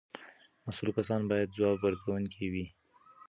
مسؤل کسان باید ځواب ورکوونکي وي.